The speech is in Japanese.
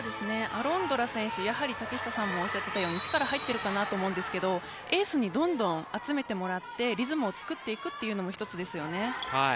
アロンドラ選手、やはり竹下さんもおっしゃっていたように力が入ってるかなと思うんですがエースにどんどん集めてもらってリズムを作っていくのも一つですよね。